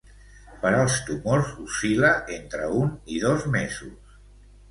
Per als tumors, oscil·la entre un i dos mesos.